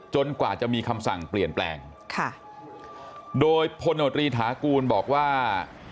กว่าจะมีคำสั่งเปลี่ยนแปลงค่ะโดยพลโนตรีฐากูลบอกว่า